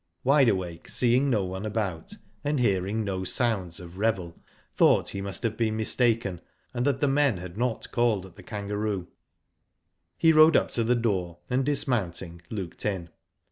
Wide Awake, seeing no one about, and hearing no sounds of revel, thought he must haye been mistaken, and that the men had not called at the "Kangaroo." He rode up to the door, and dismounting, looked in.